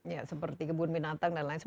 ya seperti kebun binatang dan lain sebagainya